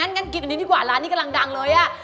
งั้นกินอันนี้ดีกว่าร้านนี้กำลังดังเลยอ่ะ